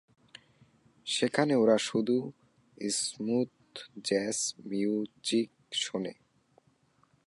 যেখানে ওরা শুধু স্মুথ জ্যাজ মিউজিক শোনে।